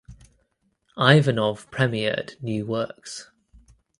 Ivanov premiered new works.